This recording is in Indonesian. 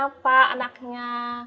ibu kenapa anaknya